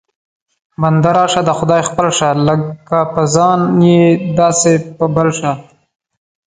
بنده راشه د خدای خپل شه، لکه په ځان یې داسې په بل شه